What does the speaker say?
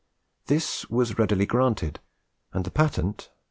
This was readily granted, and the patent (No.